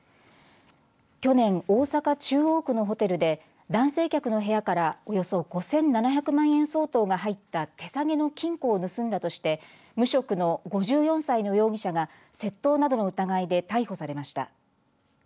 去年、大阪、中央区のホテルで男性客の部屋からおよそ５７００万円相当が入った手提げの金庫を盗んだとして無職の５４歳の容疑者が窃盗などの疑いで逮捕されました。